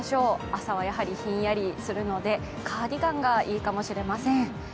朝はやはりひんやりするのでカーディガンがいいかもしれません。